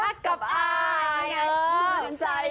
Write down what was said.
อย่าไปห้าว